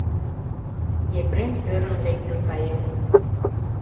Епрем ӧрын лектын каен.